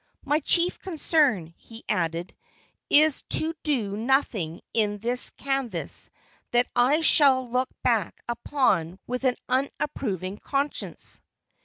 "My chief concern," he added, "is to do nothing in this canvass that I shall look back upon with an unapproving conscience."